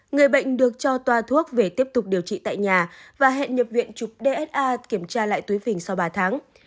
người bệnh được cho toa thuốc về tiếp tục điều trị tại nhà và hẹn nhập viện chụp dsa kiểm tra lại túi vình sau ba tháng